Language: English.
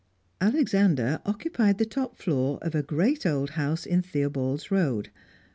Alexander occupied the top floor of a great old house in Theobald's Road.